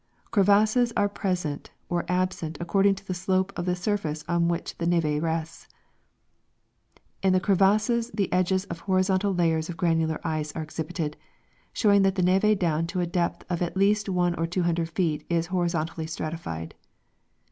Crevasses are present or absent according to the slope of the surface on which the neve rests. In. the crevasses the edges of horizontal layers of granular ice are exhibited, showing that the neve down to a depth of at least one or two hundred feet is horizontally stratified.